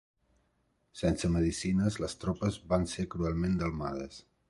Sense medicines, les tropes van ser cruelment delmades.